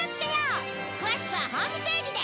詳しくはホームページで。